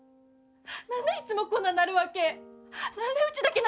何でいっつもこんななるわけ？